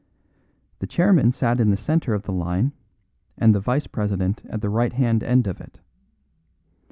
The chairman sat in the centre of the line, and the vice president at the right hand end of it.